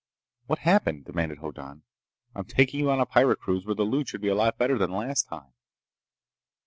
"What happened?" demanded Hoddan. "I'm taking you on a pirate cruise where the loot should be a lot better than last time!"